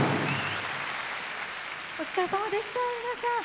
お疲れさまでした皆さん。